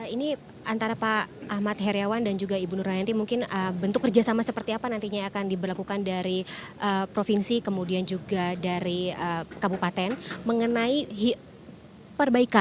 ini antara pak ahmad heriawan dan juga ibu nur nanti mungkin bentuk kerjasama seperti apa nantinya akan diberlakukan dari provinsi kemudian juga dari kabupaten mengenai perbaikan